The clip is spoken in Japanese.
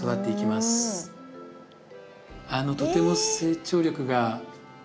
とても成長力が。